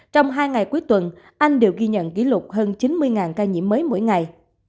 trong hai ngày cuối tuần anh đều ghi nhận kỷ lục hơn chín mươi ca nhiễm mới mỗi ngày